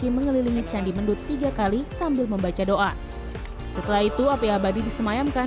mengelilingi candi mendut tiga kali sambil membaca doa setelah itu api abadi disemayamkan